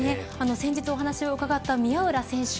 先日お話を伺った宮浦選手